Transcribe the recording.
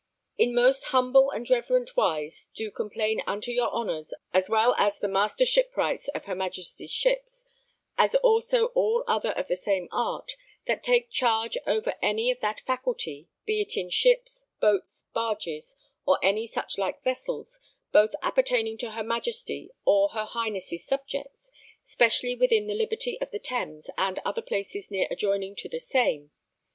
In most humble and reverent wise do complain unto your honours as well the M^r. Shipwrights of her Majesty's Ships, as also all other of the same art, that take charge over any of that faculty, be it in ships, boats, barges, or any such like vessels, both appertaining to her Majesty or her Highness' subjects, specially within the liberty of the Thames and other places near adjoining to the same.